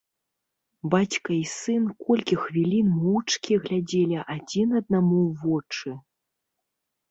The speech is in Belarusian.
Бацька і сын колькі хвілін моўчкі глядзелі адзін аднаму ў вочы.